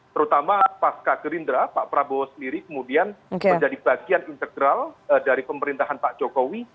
terutama pas kak gerindra pak prabowo sendiri kemudian menjadi bagian integral dari pemerintahan pak jokowi